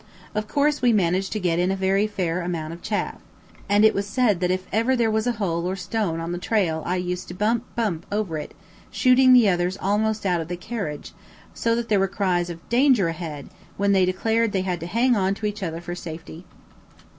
Of course we managed to get in a very fair amount of chaff. I used often to drive, and it was said that if ever there was a hole or stone on the trail I used to bump, bump over it, shooting the others almost out of the carriage, so that there were cries of "danger ahead," when they declared they had to hang on to each other for safety.